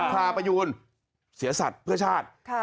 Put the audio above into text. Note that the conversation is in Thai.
พาประยูนเสียสัตว์เพื่อชาติ